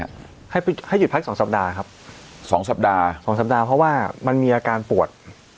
ให้หยุดพักสองสัปดาห์ครับสองสัปดาห์สองสัปดาห์เพราะว่ามันมีอาการปวด